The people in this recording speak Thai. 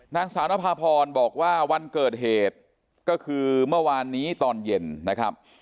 นางสาวนภาพรบอกว่าวันเกิดเหตุก็คือเมื่อวานนี้ตอนเย็นนะครับ